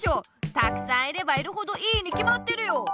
たくさんいればいるほどいいにきまってるよ。